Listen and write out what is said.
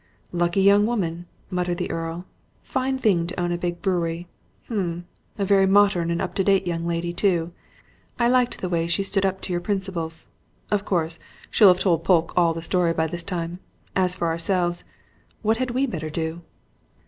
"Lucky young woman!" muttered the Earl. "Fine thing to own a big brewery. Um! A very modern and up to date young lady, too: I liked the way she stood up to your principals. Of course, she'll have told Polke all the story by this time. As for ourselves what had we better do?"